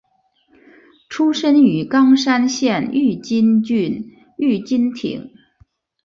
出身于冈山县御津郡御津町。